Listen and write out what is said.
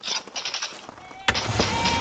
زنګول مي لا خوبونه د زلمیو شپو په ټال کي.